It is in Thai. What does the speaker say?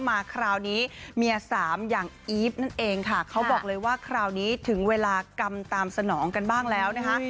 มาคราวนี้เมียสามอย่างอีฟนั่นเองค่ะเขาบอกเลยว่าคราวนี้ถึงเวลากรรมตามสนองกันบ้างแล้วนะคะ